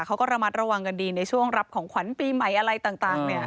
เขาก็ระมัดระวังกันดีในช่วงรับของขวัญปีใหม่อะไรต่าง